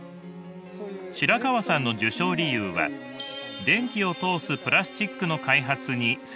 白川さんの受賞理由は電気を通すプラスチックの開発に成功したから。